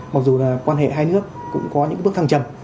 mặc dù là quan hệ hai nước cũng có những bước thăng trầm